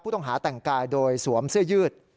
ต้องหาแต่งกายโดยสวมเสื้อยืด